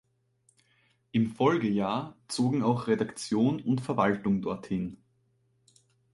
Im Folgejahr zogen auch Redaktion und Verwaltung dorthin.